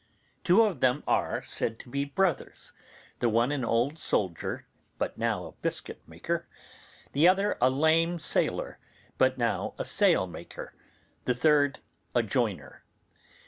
Two of them are said to be brothers, the one an old soldier, but now a biscuit maker; the other a lame sailor, but now a sailmaker; the third a joiner.